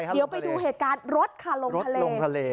เดี๋ยวไปดูเหตุการณ์รถค่ะลงทะเล